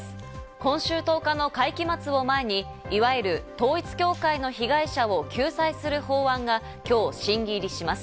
今週１０日の会期末を前にいわゆる統一教会の被害者を救済する法案が今日、審議入りします。